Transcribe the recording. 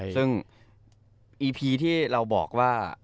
ซึ่งอีพีที่เราบอกว่า